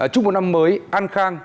chúc một năm mới an khang